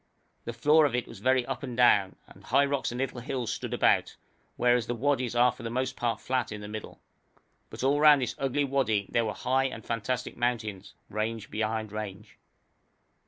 The floor of it was very up and down, and high rocks and little hills stood about, whereas the wadis are for the most part flat in the middle. But all round this ugly wadi there were high and fantastic mountains, range behind range.